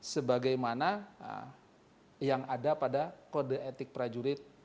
sebagai mana yang ada pada kode etik prajurit